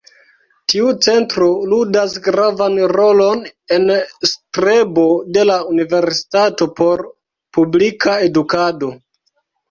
Tiu centro ludas gravan rolon en strebo de la Universitato por publika edukado.